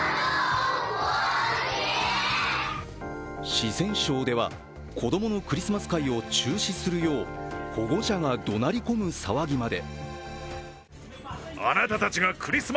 四川省では子供のクリスマス会を中止するよう保護者がどなり込む騒ぎまで。